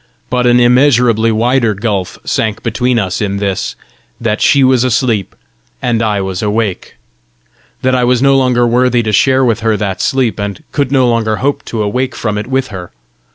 but an immeasurably wider gulf sank between us in this that she was asleep and I was awake! that I was no longer worthy to share with her that sleep, and could no longer hope to awake from it with her!